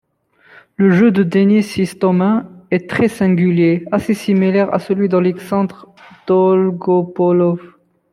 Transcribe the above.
Le jeu de Denis Istomin est très singulier, assez similaire à celui d'Alexandr Dolgopolov.